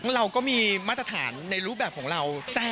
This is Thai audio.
เราก็มีมาตรฐานในรูปแบบของเรา